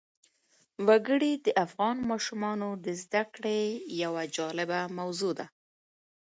وګړي د افغان ماشومانو د زده کړې یوه جالبه موضوع ده.